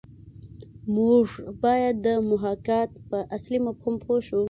موږ باید د محاکات په اصلي مفهوم پوه شو